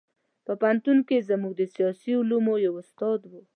په پوهنتون کې زموږ د سیاسي علومو یو استاد و.